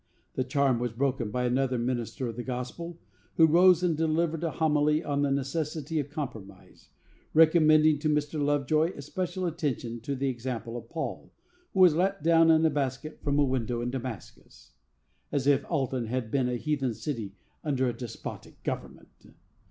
The charm was broken by another minister of the gospel, who rose and delivered a homily on the necessity of compromise, recommending to Mr. Lovejoy especial attention to the example of Paul, who was let down in a basket from a window in Damascus; as if Alton had been a heathen city under a despotic government!